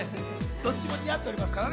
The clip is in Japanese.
どっちも似合っておりますからね。